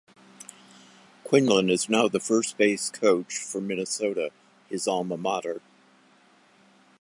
Quinlan is now the first base coach for Minnesota, his alma mater.